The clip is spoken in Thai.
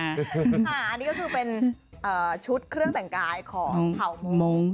อันนี้ก็คือเป็นชุดเครื่องแต่งกายของเผ่าทองมงค์